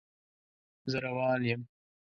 زه روان یم